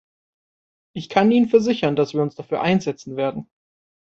Ich kann Ihnen versichern, dass wir uns dafür einsetzen werden.